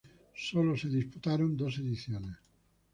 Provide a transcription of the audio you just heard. Solo se disputaron dos ediciones.